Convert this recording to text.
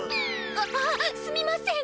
あっすみません！